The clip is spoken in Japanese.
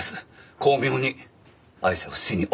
巧妙にアイシャを死に追いやった。